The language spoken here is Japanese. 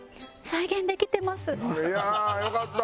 いやあよかった！